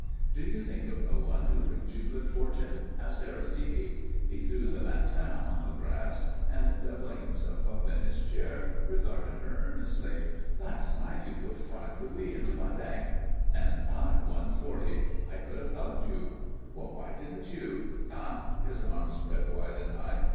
"Do you think of no one who brings you good fortune?" asked Aristide. He threw the Matin on the grass, and, doubling himself up in his chair regarded her earnestly. "Last night you put five louis into my bank " "And I won forty. I could have hugged you." "Why didn't you? Ah!" His arms spread wide and high.